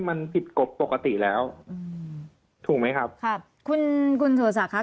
มันผิดกฎปกติแล้วอืมถูกไหมครับครับคุณคุณสุรศักดิ์